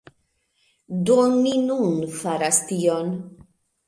Do, ni nun faras tion